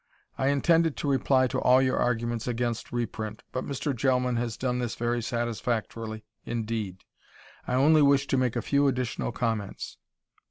I intended to reply to all your arguments against reprint, but Mr. Gelman has done this very satisfactorily, indeed. I only wish to make a few additional comments.